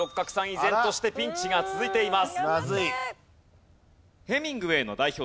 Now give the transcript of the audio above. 依然としてピンチが続いています。